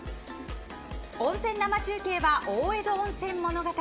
温泉生中継は大江戸温泉物語。